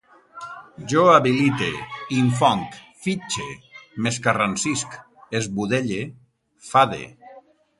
Jo habilite, infonc, fitxe, m'escarransisc, esbudelle, fade